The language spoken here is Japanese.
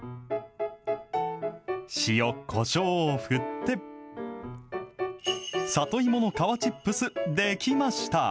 塩、こしょうを振って、里芋の皮チップス、出来ました。